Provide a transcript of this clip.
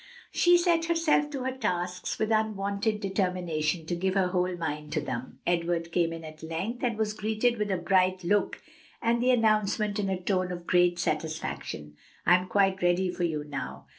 She set herself to her tasks with unwonted determination to give her whole mind to them. Edward came in at length, and was greeted with a bright look and the announcement in a tone of great satisfaction, "I'm quite ready for you now."